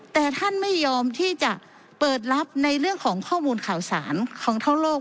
แต่ท่านไม่ยอมที่จะเปิดรับในเรื่องของข้อมูลข่าวสารของเท่าโลก